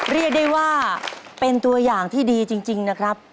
เรียกได้ว่าเป็นตัวอย่างที่ดีจริงนะครับ